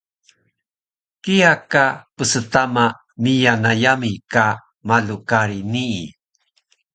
kiya ka pstama miyan na yami ka malu kari nii